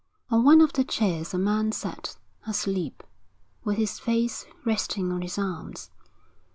On one of the chairs a man sat, asleep, with his face resting on his arms.